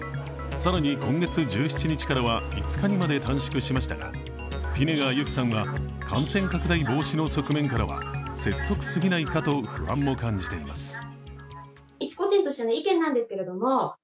更に今月１７日からは５日にまで短縮しましたが、ピネガー由紀さんは感染拡大防止の側面からは拙速すぎないかと不安を感じています。